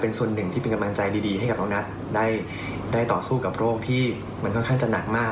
เป็นส่วนหนึ่งที่เป็นกำลังใจดีให้กับน้องนัทได้ต่อสู้กับโรคที่มันค่อนข้างจะหนักมาก